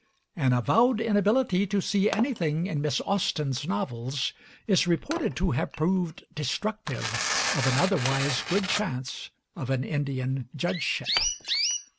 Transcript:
An avowed inability to see anything in Miss Austen's novels is reported to have proved destructive of an otherwise good chance of an Indian judgeship.